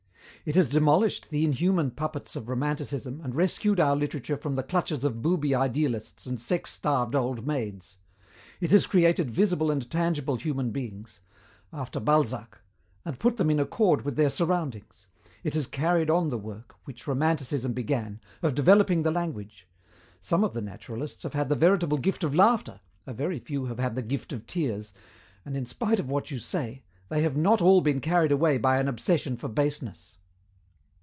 "It has demolished the inhuman puppets of romanticism and rescued our literature from the clutches of booby idealists and sex starved old maids. It has created visible and tangible human beings after Balzac and put them in accord with their surroundings. It has carried on the work, which romanticism began, of developing the language. Some of the naturalists have had the veritable gift of laughter, a very few have had the gift of tears, and, in spite of what you say, they have not all been carried away by an obsession for baseness."